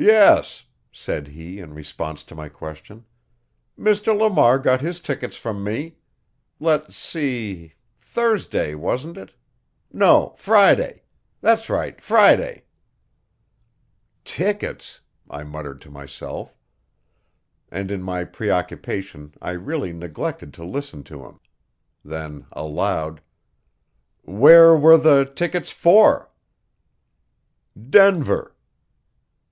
"Yes," said he in response to my question; "Mr. Lamar got his tickets from me. Let's see Thursday, wasn't it? No, Friday. That's right Friday." "Tickets!" I muttered to myself. And in my preoccupation I really neglected to listen to him. Then aloud: "Where were the tickets for?" "Denver."